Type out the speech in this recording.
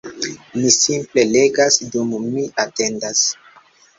Mi simple legas dum mi atendas